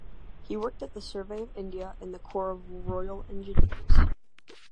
He worked at the Survey of India and the Corps of Royal Engineers.